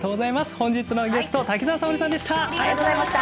本日のゲスト滝沢沙織さんでした。